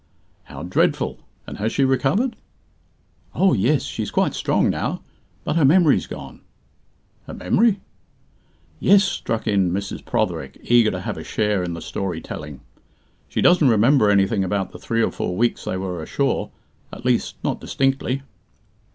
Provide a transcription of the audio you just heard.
"How dreadful! And has she recovered?" "Oh, yes, she's quite strong now, but her memory's gone." "Her memory?" "Yes," struck in Mrs. Protherick, eager to have a share in the storytelling. "She doesn't remember anything about the three or four weeks they were ashore at least, not distinctly."